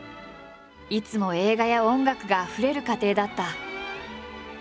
いつも映画や音楽があふれる家庭だった。